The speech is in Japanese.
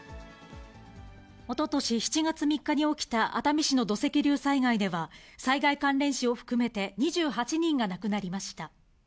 おととし７月３日に起きた熱海市の土石流災害では、災害関連死を含めて２８人が亡くなりました。